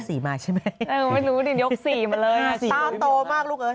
อีก๔มาใช่ไหมต้านโตมากลูกเอ๊ะเออไม่รู้ดิยก๔มาเลย